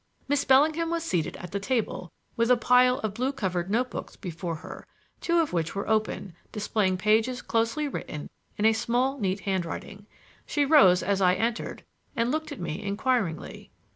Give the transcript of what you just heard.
Miss Bellingham was seated at the table with a pile of blue covered notebooks before her, two of which were open, displaying pages closely written in a small, neat handwriting. She rose as I entered and looked at me inquiringly.